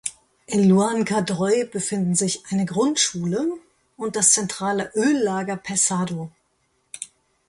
In Luan Cadoi befinden sich eine Grundschule und das zentrale Öllager "Pessado".